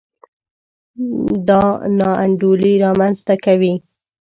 دا نا انډولي رامنځته کوي.